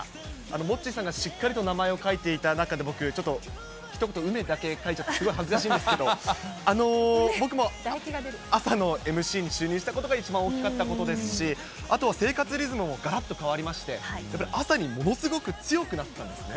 モッチーさんがしっかりと名前を書いていた中で、僕、ちょっと一言、梅だけ書いちゃってすごい恥ずかしいんですけど、僕も朝のＭＣに就任したことが一番大きかったことですし、あとは生活リズムもがらっと変わりまして、やっぱり朝にものすごく強くなったんですね。